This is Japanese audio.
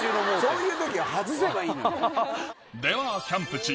そういう時は外せばいいの。